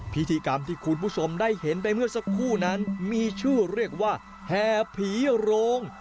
พิธีกรรมที่คุณผู้ชมได้เห็นไปเมื่อสักครู่นั้นมีชื่อเรียกว่าแห่ผีโรง